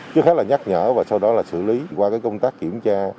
trước hết là nhắc nhở và sau đó là xử lý qua công tác kiểm tra